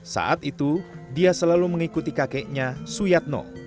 saat itu dia selalu mengikuti kakeknya suyatno